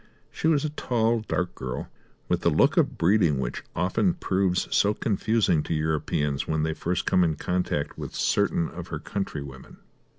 She was a tall dark girl, with the look of breeding which often proves so confusing to Europeans when they first come in contact with certain of her countrywomen.